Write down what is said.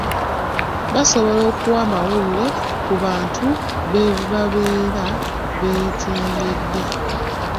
Basobola okuwa amawulire ku bantu be babeera beekengedde .